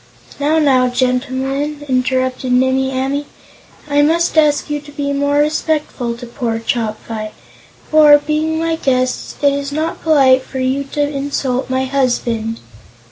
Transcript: "Now, now, gentlemen," interrupted Nimmie Amee, "I must ask you to be more respectful to poor Chopfyt. For, being my guests, it is not polite for you to insult my husband."